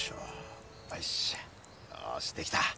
よしできた。